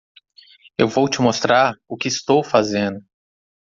Eu vou te mostrar o que estou fazendo.